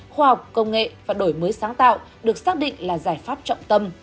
khoa học công nghệ và đổi mới sáng tạo được xác định là giải pháp trọng tâm